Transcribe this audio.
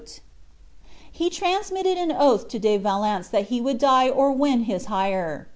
He transmitted an oath to De Valence that he would die or win his hire.